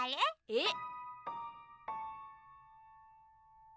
えっ？